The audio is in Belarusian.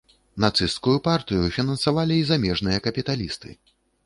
Нацысцкую партыю фінансавалі і замежныя капіталісты.